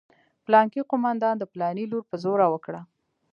پلانکي قومندان د پلاني لور په زوره وکړه.